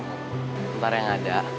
bentar yang ada